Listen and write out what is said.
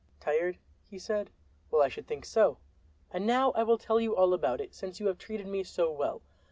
"Tired?" he said. "Well, I should think so. And now I will tell you all about it, since you have treated me so well.